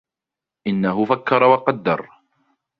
إِنَّهُ فَكَّرَ وَقَدَّرَ